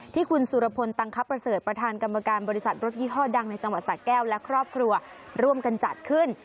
ที่คุณสุรพลตังคประเสริฐประธานกรรมการบริษัทรถยี่ห้อดังในจังหวัดสะแก้วและครอบครัวร่วมกันจัดขึ้น